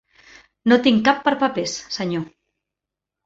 No tinc cap per papers, Senyor.